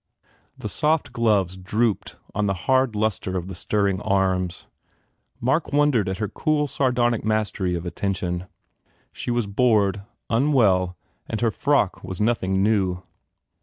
The soft gloves drooped on the hard lustre of the stirring arms. Mark wondered at her cool, sardonic mastery of attention. She was bored, unwell and her frock was nothing new.